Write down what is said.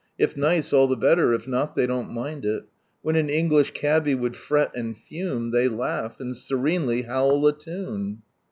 If nice, all the better, if not lliey don't mind it. When an English cabby woulil fret and fume They laugh, and serenely howl a tune.